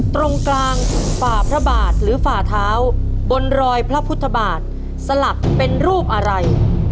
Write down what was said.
ตรงกลางฝ่าพระบาทหรือฝ่าเท้าบนรอยพระพุทธบาทสลักเป็นรูปอะไร